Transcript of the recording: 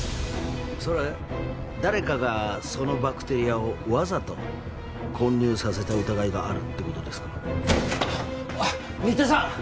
それ誰かがそのバクテリアをわざと混入させた疑いがあるってことですか新田さん